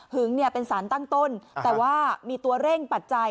เป็นสารตั้งต้นแต่ว่ามีตัวเร่งปัจจัย